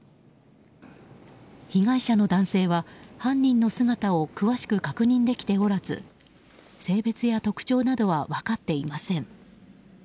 被害者の男性は、犯人の姿を詳しく確認できておらず性別や特徴などは分かっていません。